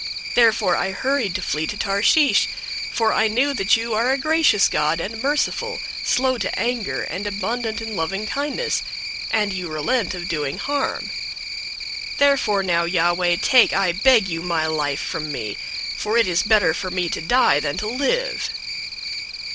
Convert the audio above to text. Therefore I hurried to flee to Tarshish, for I knew that you are a gracious God, and merciful, slow to anger, and abundant in loving kindness, and you relent of doing harm. 004:003 Therefore now, Yahweh, take, I beg you, my life from me; for it is better for me to die than to live."